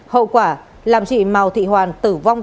hậu quả làm chị mào thị hoàn tử vong